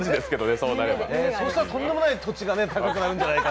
そうしたらとんでもない土地が高くなるんじゃないか。